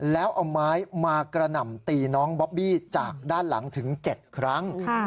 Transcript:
แล้วเอาไม้มากระหน่ำตีน้องบอบบี้จากด้านหลังถึง๗ครั้ง